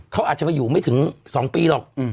เขาอาจจะไปอยู่ไม่ถึง๒ปีหรอก